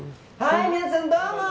皆さん、どうも！